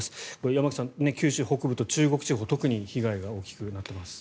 山口さん、九州北部と中国地方特に被害が大きくなっています。